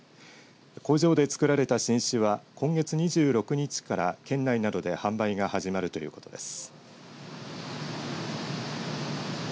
工場で造られた新酒は今月２６日から県内などで販売が始まるということです。